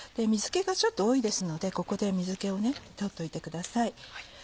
水気がちょっと多いですのでここで水気を取っておいてください。